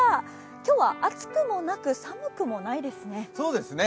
今日は暑くもなく寒くもないですね。